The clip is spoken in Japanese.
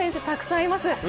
たくさんいます。